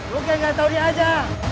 lu kayak gak tau dia aja